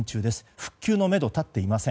復旧のめど立っていません。